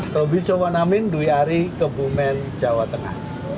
tobi sowanamin duyari kebumen jawa tengah